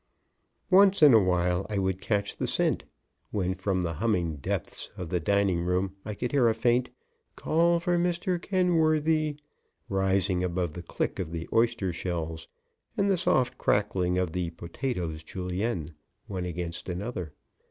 Once in a while I would catch the scent, when, from the humming depths of the dining room, I could hear a faint "Call for Mr. Kenworthy" rising above the click of the oyster shells and the soft crackling of the "potatoes Julienne" one against another.